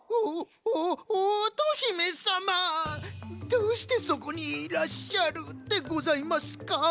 どうしてそこにいらっしゃるでございますか？